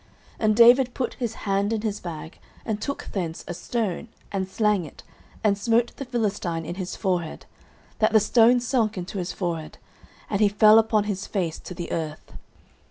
09:017:049 And David put his hand in his bag, and took thence a stone, and slang it, and smote the Philistine in his forehead, that the stone sunk into his forehead; and he fell upon his face to the earth.